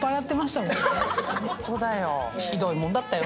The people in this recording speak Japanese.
ホントだよ。